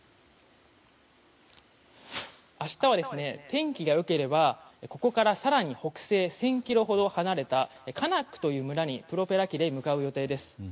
明日は天気が良ければここから更に北西１０００ｋｍほど離れたカナックという村にプロペラ機で向かう予定です。